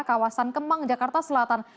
kawasan kemang jakarta selatan